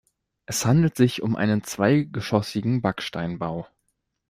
Es handelt sich um einen zweigeschossigen Backsteinbau.